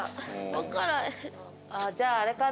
じゃああれか